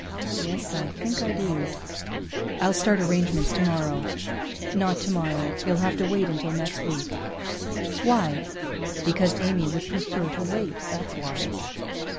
"Yes, I think I do." "I'll start arrangements tomorrow." "Not tomorrow. You'll have to wait until next week." "Why?" "Because Amy would prefer to wait, that's why."